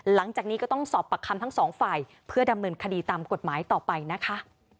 หลังจากนี้ก็ต้องสอบปากคำทั้งสองฝ่ายเพื่อดำเนินคดีตามกฎหมายต่อไปนะคะ